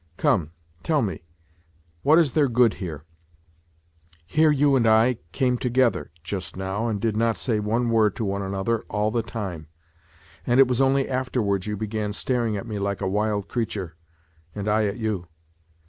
Come, tell me, what is there good here ? Here you and I ... came together ... just now and did not say one word to one another all the time, and it was only afterwards you began staring at me like a wild creature, and I at you.